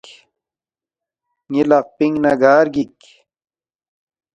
ن٘ی لقپِنگ نہ گار گِک؟“